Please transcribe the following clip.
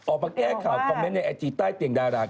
ออกมาแก้ข่าวในใต้เตียงดารา